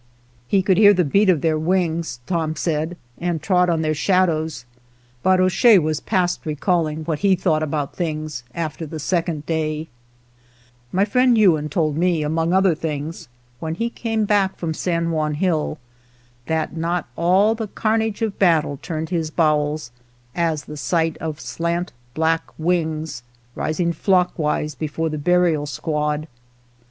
He could hear the beat of their wings, Tom said, and trod on their shadows, but O'Shea was past recalling what he thought 50 ""•i^^, ' ""l!3Pi>W^ !S5?5jjg 5 LOST FOR THREE DAYS IN THE DESERT THE SCAVENGERS about things after the second day. My friend Ewan told me, among other things, when he came back from San Juan Hill, that not all the carnage of battle turned his bowels as the sight of slant black wings rising flockwise before the burial squad.